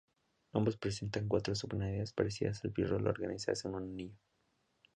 Ambos presentan cuatro subunidades parecidas al pirrol, organizadas en un anillo.